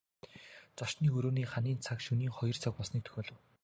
Зочны өрөөний ханын цаг шөнийн хоёр цаг болсныг дохиолов.